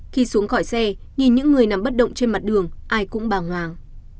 khi xuống khỏi xe nhìn những người nằm bất động trên mặt đường ai cũng bàng hoàng